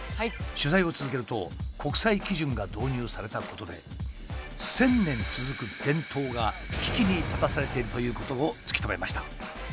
取材を続けると国際基準が導入されたことで１，０００年続く伝統が危機に立たされているということを突き止めました。